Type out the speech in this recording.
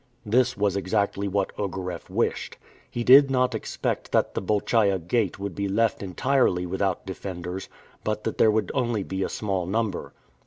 This was exactly what Ogareff wished. He did not expect that the Bolchaia Gate would be left entirely without defenders, but that there would only be a small number.